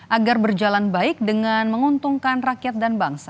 agar berjalan baik dengan menguntungkan rakyat dan bangsa